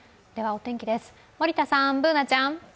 お天気です、森田さん、Ｂｏｏｎａちゃん。